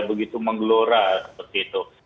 begitu menggelora seperti itu